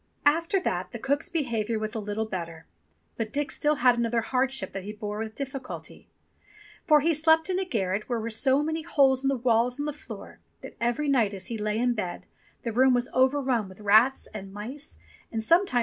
After that the cook's behaviour was a little better, but Dick still had another hardship that he bore with difficulty. For he slept in a garret where were so many holes in the walls and the floor, that every night as he lay in bed the room was over run with rats and mice, and sometimes he Many's the beating he had from the broomstick or the ladle.